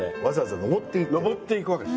わざわざ登っていく。